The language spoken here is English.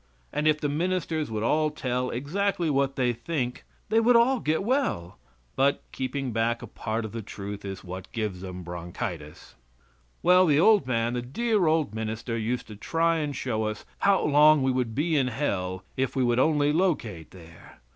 And if the ministers would all tell exactly what they think they would all get well, but keeping back a part of the truth is what gives them bronchitis. Well the old man the dear old minister used to try and show us how long we would be in Hell if we would only locate there.